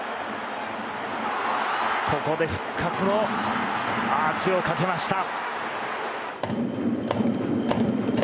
ここで復活のアーチをかけました。